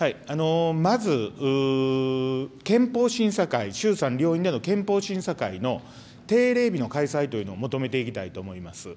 まず、憲法審査会、衆参両院での憲法審査会の定例日の開催というのを求めていきたいと思います。